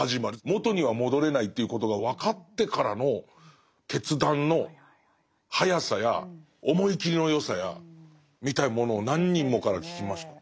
元には戻れないということが分かってからの決断の早さや思い切りの良さやみたいなものを何人もから聞きました。